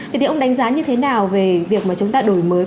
vậy thì ông đánh giá như thế nào về việc mà chúng ta đổi mới